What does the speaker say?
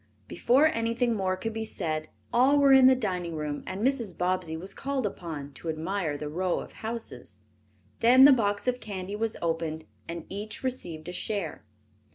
Before anything more could be said all were in the dining room and Mrs. Bobbsey was called upon to admire the row of houses. Then the box of candy was opened and each received a share.